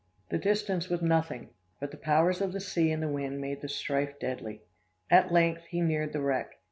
"The distance was nothing, but the power of the sea and wind made the strife deadly. At length, he neared the wreck.